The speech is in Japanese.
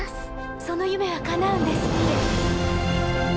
その夢はかなうんですって。